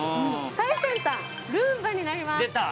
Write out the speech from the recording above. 最先端ルンバになります出た！